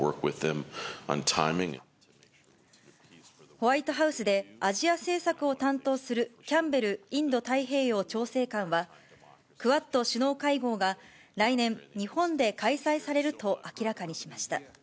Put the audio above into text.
ホワイトハウスでアジア政策を担当するキャンベルインド太平洋調整官は、クアッド首脳会合が来年日本で開催されると明らかにしました。